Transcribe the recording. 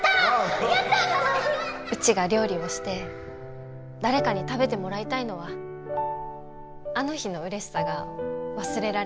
うちが料理をして誰かに食べてもらいたいのはあの日のうれしさが忘れられないから。